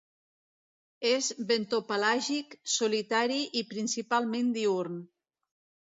És bentopelàgic, solitari i principalment diürn.